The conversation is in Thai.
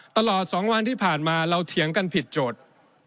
ตลอด๒วันที่ผ่านมาเราเถียงกันผิดโจทย์